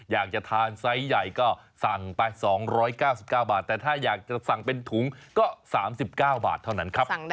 อยากจะทานไซส์ใหญ่ก็สั่งไป๒๙๙บาทแต่ถ้าอยากจะสั่งเป็นถุงก็๓๙บาทเท่านั้นครับ